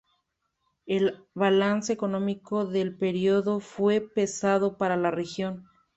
El balance económico del período fue pesado para la región.